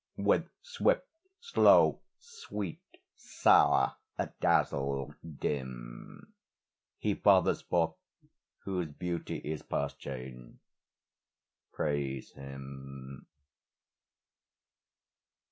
With swift, slow; sweet, sour; adazzle, dim; He fathers forth whose beauty is past change: Praise him.